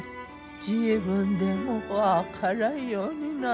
自分でも分からんようになっとるんだわ。